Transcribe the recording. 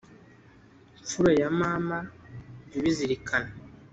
Mfura ya Mama jya ubizirikana !